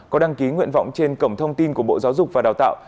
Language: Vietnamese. có đăng ký nguyện vọng trên cổng thông tin của bộ giáo dục và đào tạo